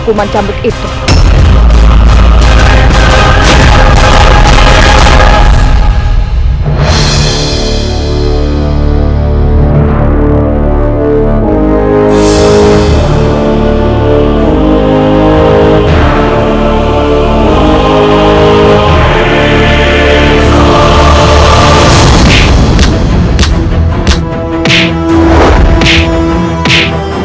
ibu nang akan selamatkan ibu